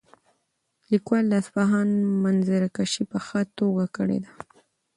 لیکوال د اصفهان منظرکشي په ښه توګه کړې ده.